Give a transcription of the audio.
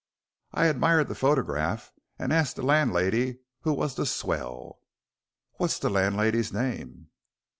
I admired the photograph and asked the landlady who was the swell." "What's the landlady's name?"